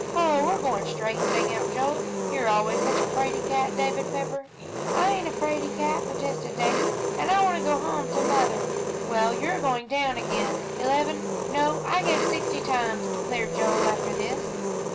"Hoh, we're going straight!" sang out Joel, "you're always such a 'fraid cat, David Pepper." "I ain't a 'fraid cat," protested Davie, "and I want to go home to mother." "Well, you are going down again, eleven, no, I guess sixty times," declared Joel, "after this.